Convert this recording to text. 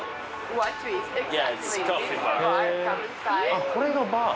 あっこれがバー。